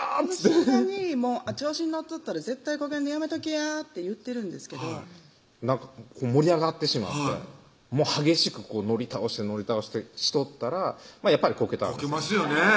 その瞬間に「調子に乗っとったら絶対こけんでやめときや」って言ってるんですけどなんか盛り上がってしまって激しく乗り倒して乗り倒してしとったらやっぱりこけたんですこけますよね